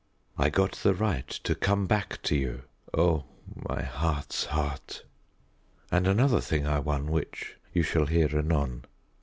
I got the right to come back to you. Oh, my heart's heart, and another thing I won, which you shall hear anon.